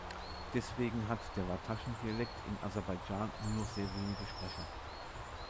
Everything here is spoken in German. Deswegen hat der Wartaschen-Dialekt in Aserbaidschan nur noch sehr wenige Sprecher.